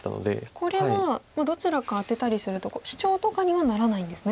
これはどちらかアテたりするとシチョウとかにはならないんですね。